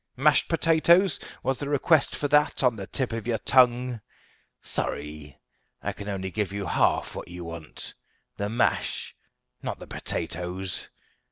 Mashed potatoes? Was the request for that on the tip of your tongue? Sorry I can give you only half what you want the mash, not the potatoes.